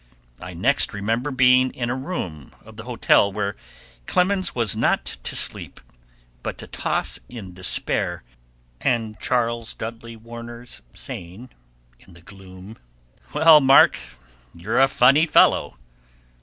I next remember being in a room of the hotel, where Clemens was not to sleep, but to toss in despair, and Charles Dudley Warner's saying, in the gloom, "Well, Mark, you're a funny fellow."